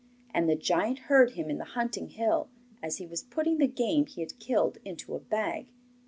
And the giant heard him in the hunting hill, as he was putting the game he had killed into a bag.